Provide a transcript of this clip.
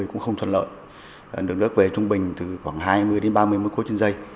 cũng không thuận lợi được nước về trung bình từ khoảng hai mươi ba mươi m ba trên giây